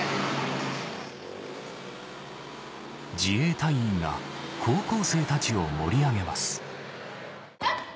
自衛隊員が高校生たちを盛り上げますヤッ！